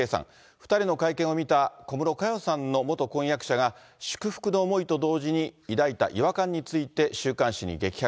２人の会見を見た小室佳代さんの元婚約者が祝福の思いと同時に抱いた違和感について、週刊誌に激白。